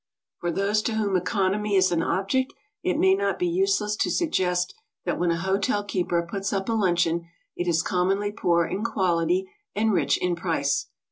For those to whom economy is an object, it may not be useless to suggest that when a hotel keeper puts up a luncheon, it is commonly poor in quality and rich in price.